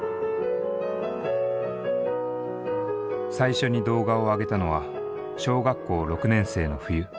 最初に動画をあげたのは小学校６年生の冬。